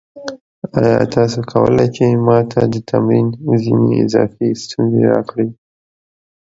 ایا تاسو کولی شئ ما ته د تمرین ځینې اضافي ستونزې راکړئ؟